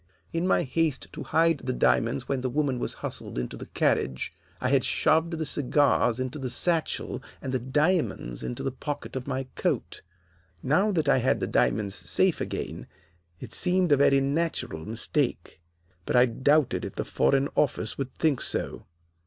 In my haste to hide the diamonds when the woman was hustled into the carriage, I had shoved the cigars into the satchel, and the diamonds into the pocket of my coat. Now that I had the diamonds safe again, it seemed a very natural mistake. But I doubted if the Foreign Office would think so.